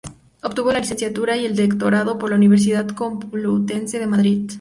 Obtuvo la licenciatura y el doctorado por la Universidad Complutense de Madrid.